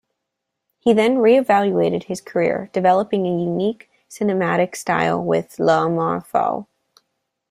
He then re-evaluated his career, developing a unique cinematic style with "L'amour fou".